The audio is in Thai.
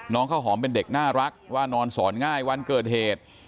ข้าวหอมเป็นเด็กน่ารักว่านอนสอนง่ายวันเกิดเหตุ